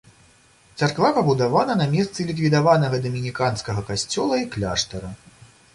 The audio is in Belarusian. Царква пабудавана на месцы ліквідаванага дамініканскага касцёла і кляштара.